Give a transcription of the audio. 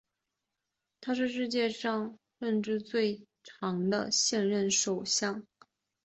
他是世界上任职时间最长的现任首相。